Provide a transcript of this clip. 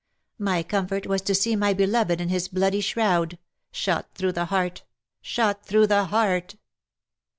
My comfort was to see my beloved in his bloody shroud — shot through the heart — shot through the heart